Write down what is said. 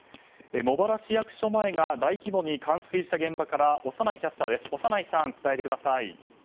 茂原市役所前が大規模に冠水した現場から小山内キャスターです。